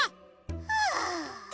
はあ。